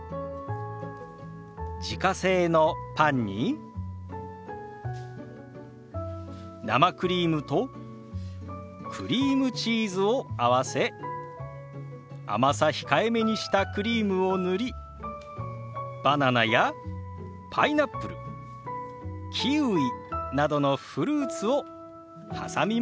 自家製のパンに生クリームとクリームチーズを合わせ甘さ控えめにしたクリームを塗りバナナやパイナップルキウイなどのフルーツを挟みました。